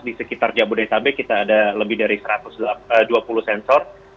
di sekitar jabodetabek kita ada lebih dari satu ratus dua puluh sensor